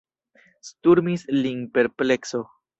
Sturmis lin perplekso.